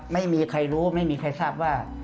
ไม่มีใครรู้ไม่มีใครทราบว่า